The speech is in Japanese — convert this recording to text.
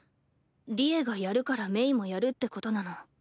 利恵がやるから鳴もやるってことなの？